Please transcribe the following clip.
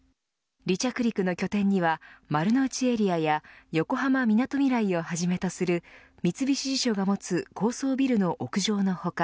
離着陸の拠点には丸の内エリアや横浜みなとみらいをはじめとする三菱地所が持つ高層ビルの屋上の他